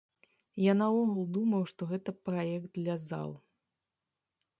Я наогул думаў, што гэта праект для зал.